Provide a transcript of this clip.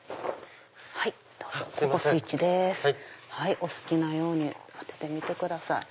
お好きなように当ててみてください。